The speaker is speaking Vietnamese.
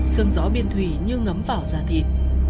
sương gió biên thủy như ngấm vào da thịt